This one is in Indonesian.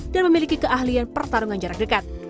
dan memiliki keahlian pertarungan jarak dekat